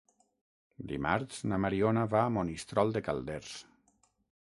Dimarts na Mariona va a Monistrol de Calders.